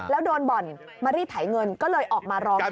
แล้วโดนบ่อนมารีบถ่ายเงินก็เลยออกมาร้องใช่ไหม